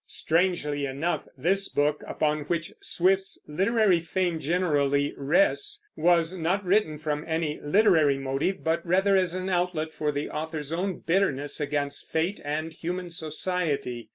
Strangely enough, this book, upon which Swift's literary fame generally rests, was not written from any literary motive, but rather as an outlet for the author's own bitterness against fate and human society.